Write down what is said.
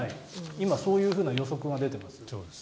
今、そういう予測が出ています。